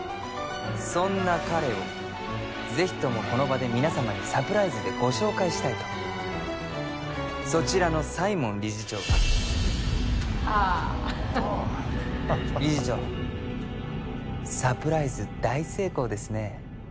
そんな彼をぜひともこの場で皆様にサプライズでご紹介したいとそちらの西門理事長が・ああ理事長サプライズ大成功ですね